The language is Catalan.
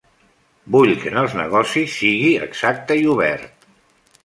Vull que en els negocis sigui exacte i obert.